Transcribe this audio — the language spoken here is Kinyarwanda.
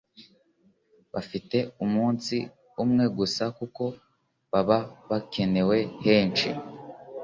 bafite umunsi umwe gusa kuko baba bakenewe henshi